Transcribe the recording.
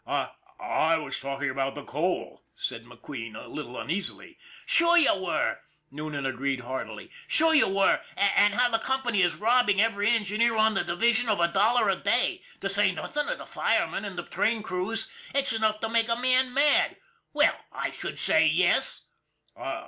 " I I was talking about the coal," said McQueen a little uneasily. " Sure you were," Noonan agreed heartily. " Sure you were, and how the company is robbing every engineer on the division of a dollar a day, to say nothing of the firemen and the train crews. It's enough to make a man mad. Well, I should say yes